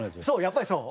やっぱりそう？